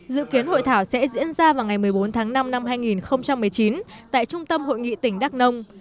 dự kiến hội thảo sẽ diễn ra vào ngày một mươi bốn tháng năm năm hai nghìn một mươi chín tại trung tâm hội nghị tỉnh đắk nông